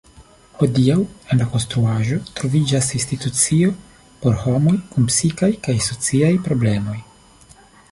Hodiaŭ en la konstruaĵo troviĝas institucio por homoj kun psikaj kaj sociaj problemoj.